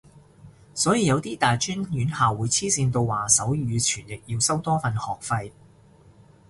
所以有啲大專院校會黐線到話手語傳譯要收多份學費